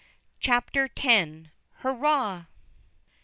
CHAPTER X. HURRAH!